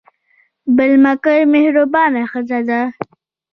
بل مکۍ مهربانه ښځه ده.